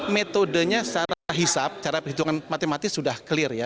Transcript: metodenya secara hisap cara perhitungan matematis sudah clear ya